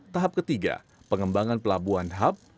tahap ketiga pengembangan pelabuhan hub